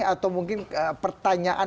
atau mungkin pertanyaan